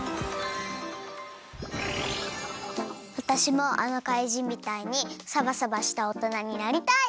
わたしもあのかいじんみたいにサバサバしたおとなになりたい。